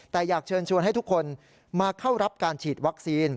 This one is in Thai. แต่อยากเชิญชวนให้ทุกคนมาเข้ารับการฉีดวัคซีน